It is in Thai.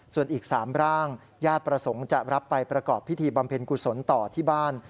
ส่วนอีก๓ร่างญาติประสงค์จะรับไปประกอบพิธีบำเพ็ญกุศลต่อที่บ้าน